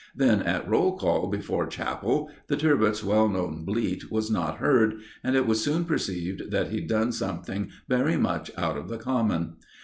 Then at roll call before chapel, the "Turbot's" well known bleat was not heard, and it was soon perceived that he'd done something very much out of the common.